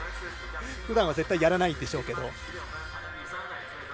ふだんは絶対にやらないんでしょうけど。